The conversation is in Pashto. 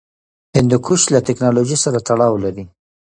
هندوکش له تکنالوژۍ سره تړاو لري.